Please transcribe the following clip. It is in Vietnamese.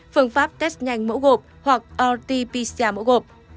phương pháp test nhanh mẫu gộp hoặc rt pcr mẫu gộp